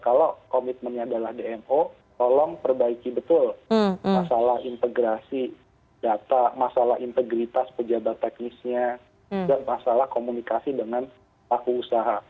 jadi kalau kelebihan dari dmo tolong perbaiki betul masalah integrasi data masalah integritas pejabat teknisnya dan masalah komunikasi dengan laku usaha